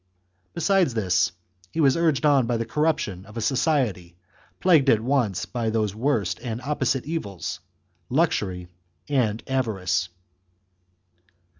Besides this, he was urged on by the corrup tion of a society, plagued at once by those worst and opposite evils, luxury and avarice.